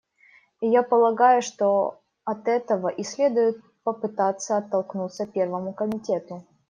И я полагаю, что от этого и следует попытаться оттолкнуться Первому комитету.